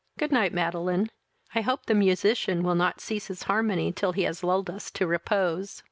Good night, Madeline; I hope the musician will not cease his harmony till he has lulled us to repose."